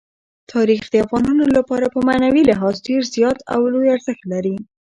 تاریخ د افغانانو لپاره په معنوي لحاظ ډېر زیات او لوی ارزښت لري.